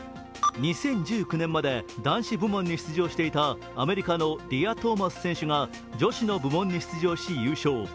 ２０１９年まで男子部門に出場していたアメリカのリア・トーマス選手が女子の部門に出場し優勝。